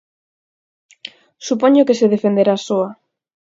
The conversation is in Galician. Supoño que se defenderá soa.